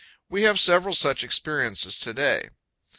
We have several such experiences to day.